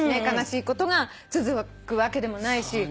悲しいことが続くわけでもないし。